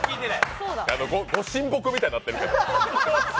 ご神木みたいになってる。